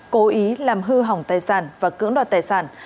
cố ý làm hư hỏng tài sản và cưỡng đoạt tài sản